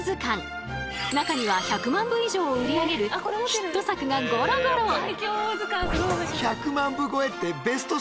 中には１００万部以上を売り上げるヒット作がゴロゴロ！